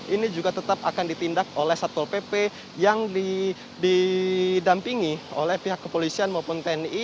ini juga tetap akan ditindak oleh satpol pp yang didampingi oleh pihak kepolisian maupun tni